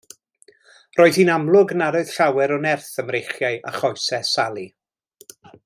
Roedd hi'n amlwg nad oedd llawer o nerth ym mreichiau a choesau Sali.